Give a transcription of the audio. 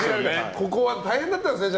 ここは大変だったんですね。